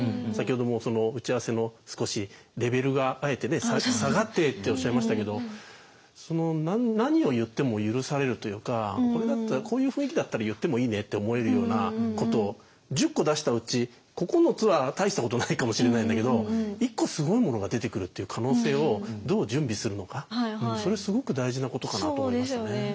先ほども打ち合わせの少しレベルがあえて下がってっておっしゃいましたけど何を言っても許されるというかこれだったらこういう雰囲気だったら言ってもいいねって思えるようなことを１０個出したうち９つは大したことないかもしれないんだけど１個すごいものが出てくるっていう可能性をどう準備するのかそれすごく大事なことかなと思いますね。